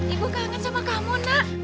ibu kangen sama kamu nak